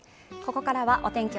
ここからはお天気